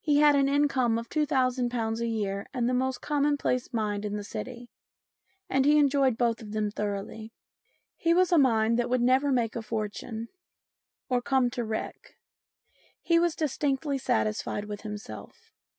He had an income of .2000 a year and the most commonplace mind in the City, and he enjoyed both of them thoroughly. His was a mind that would never make a fortune or come to wreck. He was distinctly satisfied with himself.